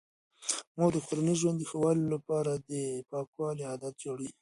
مور د کورني ژوند د ښه والي لپاره د پاکوالي عادات جوړوي.